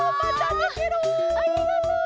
ありがとう！